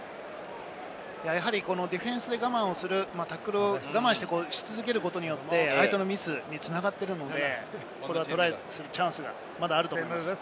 やはりディフェンスで我慢する、タックルを我慢し続けることによって相手のミスに繋がっているので、これはトライするチャンスがまだあると思います。